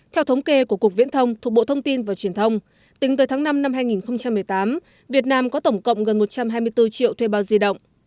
theo thống kê của cục viễn thông thuộc bộ thông tin và truyền thông tính tới tháng năm năm hai nghìn một mươi tám việt nam có tổng cộng gần một trăm hai mươi bốn triệu thuê bao di động